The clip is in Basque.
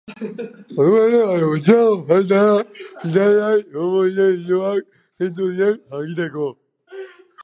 Ordu bete baino gutxiago falta da finalean egongo diren bideoak zeintzuk diren jakiteko!